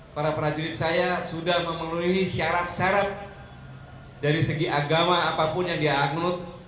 para prajurit saya sudah memenuhi syarat syarat dari segi agama apapun yang dia annut